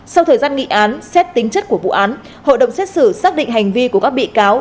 sau thời gian nghị án xét tính chất của vụ án hội đồng xét xử xác định hành vi của các bị cáo